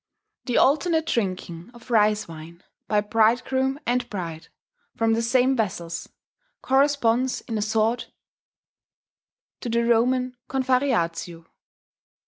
The alternate drinking of rice wine, by bridegroom and bride, from the same vessels, corresponds in a sort to the Roman confarreatio.